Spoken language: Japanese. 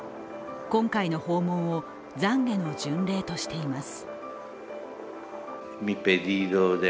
今回の訪問を、ざんげの巡礼としています。